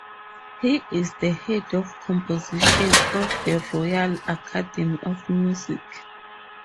He is the head of composition of the Royal Academy of Music.